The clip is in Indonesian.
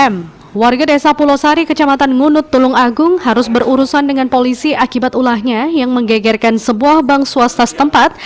m warga desa pulau sari kecamatan ngunut tulung agung harus berurusan dengan polisi akibat ulahnya yang menggegerkan sebuah bank swasta setempat